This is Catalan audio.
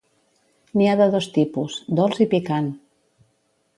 N'hi ha de dos tipus: dolç i picant.